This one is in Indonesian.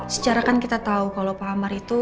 secara kan kita tahu kalau pak amar itu